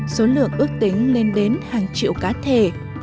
số lượng ước tính lên đến hàng triệu cá thể